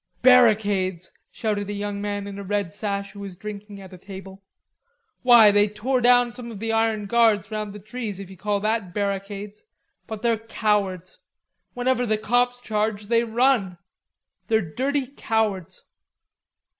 "Barricades!" shouted a young man in a red sash who was drinking at a table. "Why, they tore down some of the iron guards round the trees, if you call that barricades. But they're cowards. Whenever the cops charge they run. They're dirty cowards."